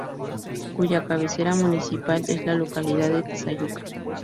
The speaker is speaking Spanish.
Cuya cabecera municipal es la localidad de Tizayuca.